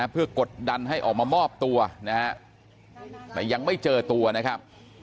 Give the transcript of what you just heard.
เพื่อกดดันให้ออกมามอบตัวนะฮะแต่ยังไม่เจอตัวนะครับ